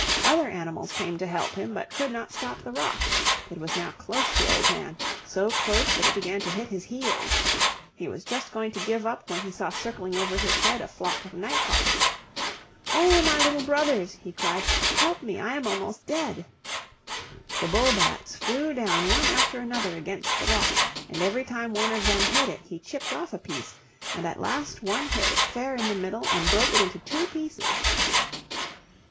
Other animals came to help him, but could not stop the rock; it was now close to Old Man, so close that it began to hit his heels. He was just going to give up when he saw circling over his head a flock of night hawks. "Oh, my little brothers," he cried, "help me; I am almost dead." The bull bats flew down one after another against the rock, and every time one of them hit it he chipped off a piece, and at last one hit it fair in the middle and broke it into two pieces.